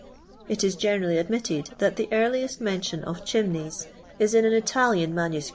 It 1.1 generally admitted that the earliest men tioa of '.'t' .iM 'f." is in an Italian MS.